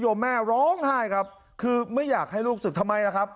แม่ร้องไห้ครับคือไม่อยากให้ลูกศึกทำไมล่ะครับ